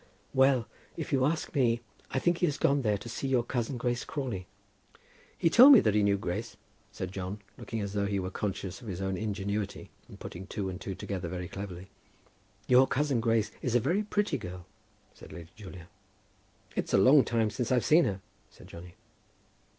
"Well; if you ask me, I think he has gone there to see your cousin, Grace Crawley." "He told me that he knew Grace," said John, looking as though he were conscious of his own ingenuity in putting two and two together very cleverly. "Your cousin Grace is a very pretty girl," said Lady Julia. "It's a long time since I've seen her," said Johnny.